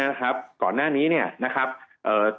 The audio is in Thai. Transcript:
ทางประกันสังคมก็จะสามารถเข้าไปช่วยจ่ายเงินสมทบให้๖๒